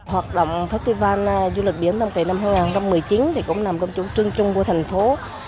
hoạt động thái văn du lịch biển năm hai nghìn một mươi chín cũng nằm trong trung trung của thành phố